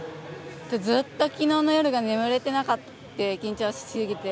ずっと昨日の夜が眠れてなくて緊張しすぎて。